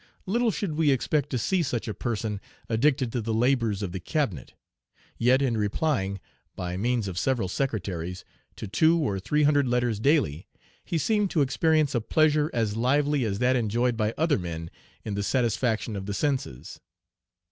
Little should we expect to see such a person addicted to the labors of the cabinet. Yet, in replying, by means of several secretaries, to two or three hundred letters daily, he seemed to experience a pleasure as lively as that enjoyed by other men in the satisfaction of the senses.